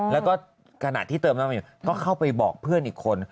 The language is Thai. แล้วก็กระหนักที่เติมน้ำมันก็เข้าไปบอกเพื่อนอีกคน